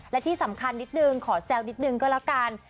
และที่สำคัญนิดนึงขอแซวนิดนึงก็แล้วกัน